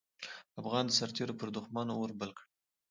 افغان سررتېرو پر دوښمن اور بل کړ.